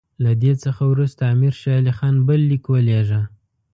له دې څخه وروسته امیر شېر علي خان بل لیک ولېږه.